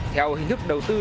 theo hình thức đầu tư